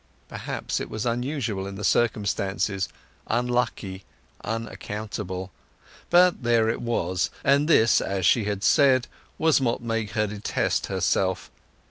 Perhaps it was unusual in the circumstances, unlucky, unaccountable; but there it was; and this, as she had said, was what made her detest herself.